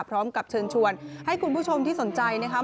พร้อมกับเชิญชวนให้คุณผู้ชมที่สนใจนะคะ